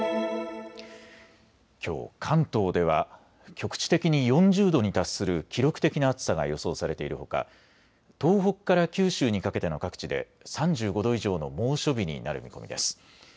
きょう関東では局地的に４０度に達する記録的な暑さが予想されているほか東北から九州にかけての各地で３５度以上の猛暑日になる見込みです。